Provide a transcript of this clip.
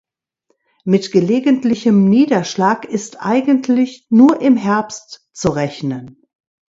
Mit gelegentlichem Niederschlag ist eigentlich nur im Herbst zu rechnen.